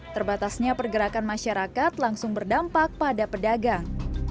terbatasnya pergerakan masyarakat langsung berdampak pada pedagang